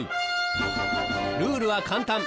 ルールは簡単。